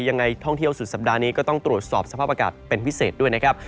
ยังไงท่องเที่ยวสุดสัปดาห์นี้ก็ต้องตรวจสอบสภาพอากาศเป็นพิเศษด้วยนะครับ